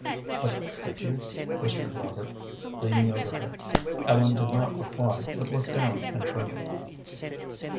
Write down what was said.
"But could you?" whispered Robert, leaning over her. Ellen did not reply, but looked down and trembled.